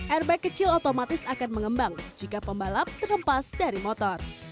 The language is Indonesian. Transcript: airbag kecil otomatis akan mengembang jika pembalap terhempas dari motor